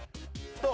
どう？